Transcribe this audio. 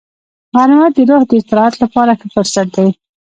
غرمه د روح د استراحت لپاره ښه فرصت دی